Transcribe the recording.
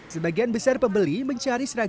sebagian besar pembeli mencari